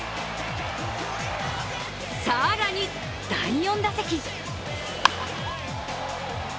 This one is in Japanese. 更に第４打席。